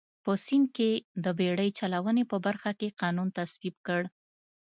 په سیند کې د بېړۍ چلونې په برخه کې قانون تصویب کړ.